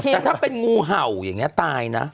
แต่ถ้าเป็นงูเห่าอย่างนี้ตายนะ